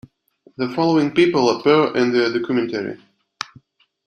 The following people appear in the documentary.